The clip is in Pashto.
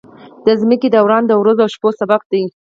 د ځمکې دوران د ورځو او شپو سبب دی.